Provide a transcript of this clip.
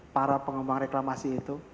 para pengembang reklamasi itu